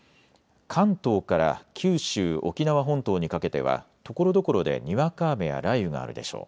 関東から九州、沖縄本島にかけてはところどころでにわか雨や雷雨があるでしょう。